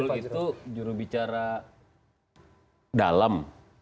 jadi bang fajrul itu jurubicara dalem